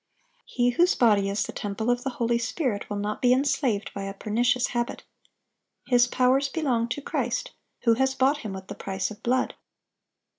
(818) He whose body is the temple of the Holy Spirit will not be enslaved by a pernicious habit. His powers belong to Christ, who has bought him with the price of blood.